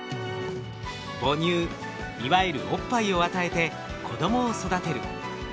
母乳いわゆるおっぱいを与えて子供を育てる。